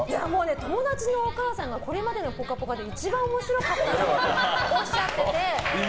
友達のお母さんがこれまでの「ぽかぽか」で一番面白かったっておっしゃってて。